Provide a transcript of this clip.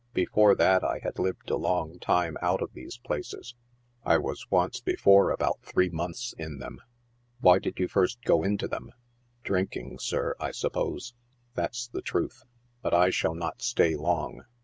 Before that I had lived a long time out of these places. I was once before about three months in them." " Why did you first go into them ?" s Drinking, sir, I suppose. That's the truth. But I shall not stay long."